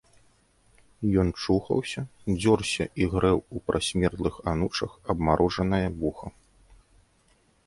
Ён чухаўся, дзёрся і грэў у прасмердлых анучах абмарожанае вуха.